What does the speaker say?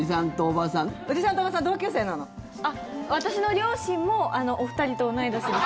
あっ、私の両親もお二人と同い年です。